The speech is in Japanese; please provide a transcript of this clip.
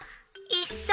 いっしょ！